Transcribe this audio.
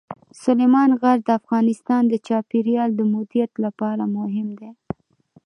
سلیمان غر د افغانستان د چاپیریال د مدیریت لپاره مهم دي.